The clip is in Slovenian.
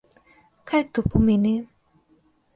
Kaj to pomeni?